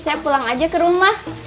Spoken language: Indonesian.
saya pulang aja ke rumah